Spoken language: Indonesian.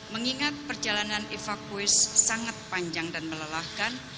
mengingat perjalanan evakuis sangat panjang dan melelahkan